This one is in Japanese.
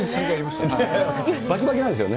ばきばきなんですよね。